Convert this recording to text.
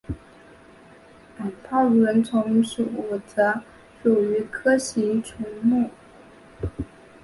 泡轮虫属则属于核形虫目。